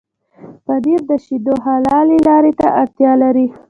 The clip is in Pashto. پنېر د شيدو حلالې لارې ته اړتيا لري.